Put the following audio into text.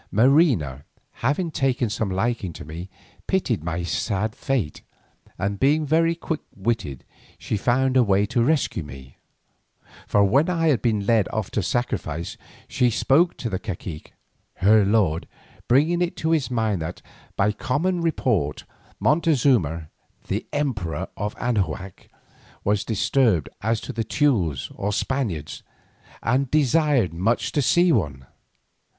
Marina having taken some liking to me, pitied my sad fate, and being very quick witted, she found a way to rescue me. For when I had been led off to sacrifice, she spoke to the cacique, her lord, bringing it to his mind that, by common report Montezuma, the Emperor of Anahuac, was disturbed as to the Teules or Spaniards, and desired much to see one.